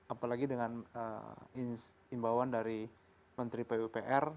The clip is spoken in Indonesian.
apalagi dengan imbauan dari menteri pupr